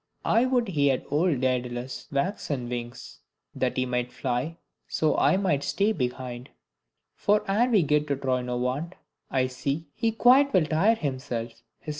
I would he had old Daedalus' waxen wings, i 5 That he might fly, so I might stay behind : For ere we get to Troynovant, I see, He quite will tire himself, his horse, and me.